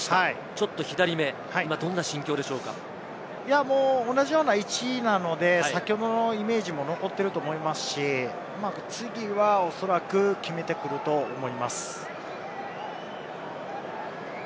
ちょっと左め、今どんな心境でし同じような位置なので、先ほどのイメージも残っていると思いますし、次はおそらく決めてくると思います。